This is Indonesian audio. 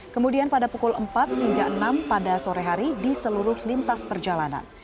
kemudian pada pukul empat hingga enam pada sore hari di seluruh lintas perjalanan